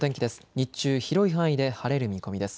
日中、広い範囲で晴れる見込みです。